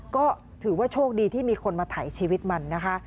ก็ถือว่าโชคดีที่มีคนมาถ่ายชีวิตมันนะคะ